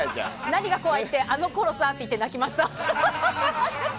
何が怖いってあのころさって言って泣きました。